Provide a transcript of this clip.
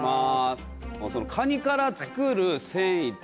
カニから作る繊維って